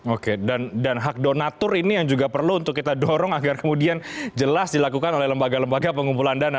oke dan hak donatur ini yang juga perlu untuk kita dorong agar kemudian jelas dilakukan oleh lembaga lembaga pengumpulan dana